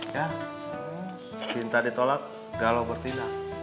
ya cinta ditolak tidak boleh bertindak